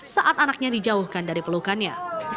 saat anaknya dijauhkan dari pelukannya